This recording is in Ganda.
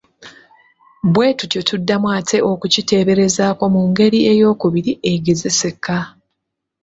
Bwe tutyo tuddamu ate okukiteeberezaako mu ngeri eyookubiri egezeseka.